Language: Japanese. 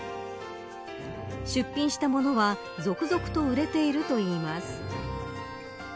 出品したものは続々と売れているといいます。